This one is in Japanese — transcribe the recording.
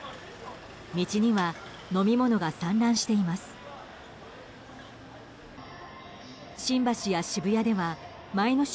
道には飲み物が散乱しています。